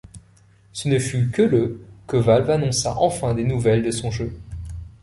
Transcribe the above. Ce ne fut que le que Valve annonça enfin des nouvelles de son jeu.